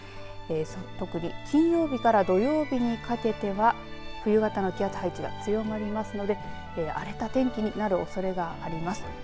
特に金曜日から土曜日にかけては冬型の気圧配置が強まりますので荒れた天気になるおそれがあります。